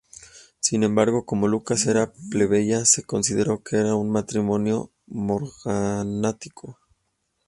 Sin embargo, como Lucas era plebeya, se consideró que era un matrimonio morganático.